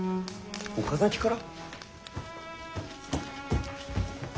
岡崎から？